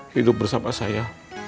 hidup bersama saya